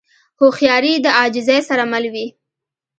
هوښیاري د عاجزۍ سره مل وي.